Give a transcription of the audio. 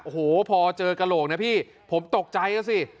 โอ้โหพอเจอกระโหลกนะพี่ผมตกใจนะสิ